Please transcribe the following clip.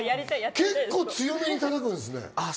結構、強めに叩くんですね。